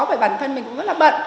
bởi bản thân mình cũng rất là bận